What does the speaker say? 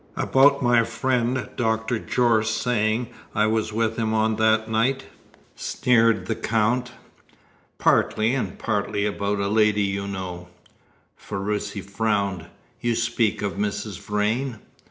"About my friend Dr. Jorce saying I was with him on that night?" sneered the Count. "Partly, and partly about a lady you know." Ferruci frowned. "You speak of Mrs. Vrain?"